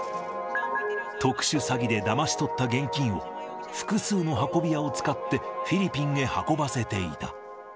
特殊詐欺でだまし取った現金を、複数の運び屋を使って、フィリピンへ運ばせていた。